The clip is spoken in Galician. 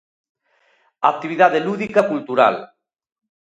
Actividade lúdica cultural.